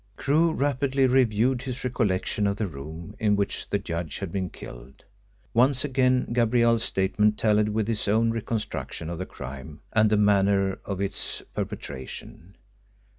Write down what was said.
Crewe rapidly reviewed his recollection of the room in which the judge had been killed. Once again Gabrielle's statement tallied with his own reconstruction of the crime and the manner of its perpetration.